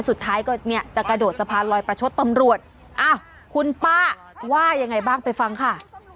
สุดท้ายก็เนี่ยจะกระโดดสะพานลอยประชดตำรวจอ้าวคุณป้าว่ายังไงบ้างไปฟังค่ะ